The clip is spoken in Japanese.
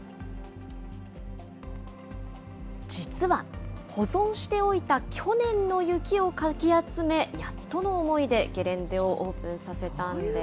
実は保存しておいた去年の雪をかき集め、やっとの思いでゲレンデをオープンさせたんです。